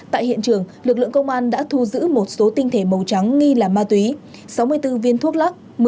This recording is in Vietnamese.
tại hiện trường lực lượng công an đã thu giữ một số tinh thể màu trắng nghi là ma túy sáu mươi bốn viên thuốc lắc